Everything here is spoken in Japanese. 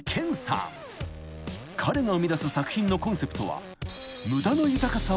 ［彼が生みだす作品のコンセプトは］